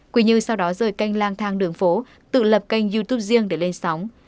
quỳnh như sau đó rời canh lang thang đường phố tự lập kênh youtube riêng để lên sóng